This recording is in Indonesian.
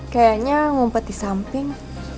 kayaknya ngumpet di samping